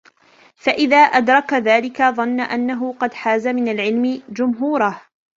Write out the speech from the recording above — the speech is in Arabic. فَإِذَا أَدْرَكَ ذَلِكَ ظَنَّ أَنَّهُ قَدْ حَازَ مِنْ الْعِلْمِ جُمْهُورَهُ